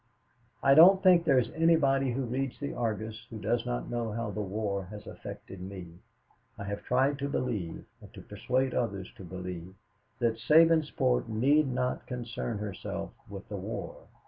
"I don't think there is anybody who reads the Argus who does not know how the war has affected me. I have tried to believe, and to persuade others to believe, that Sabinsport need not concern herself with the war.